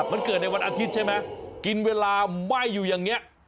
มันเกิดในวันอาทิตย์ใช่ไหมกินเวลาไหม้อยู่อย่างนี้